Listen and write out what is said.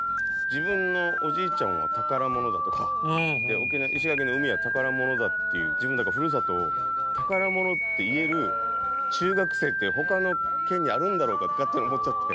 自分のおじいちゃんは宝物だとか石垣の海は宝物だっていう自分らのふるさとを宝物って言える中学生って他の県にあるんだろうかって勝手に思っちゃって。